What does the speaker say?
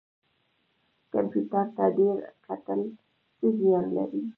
کمپیوټر ته ډیر کتل څه زیان لري؟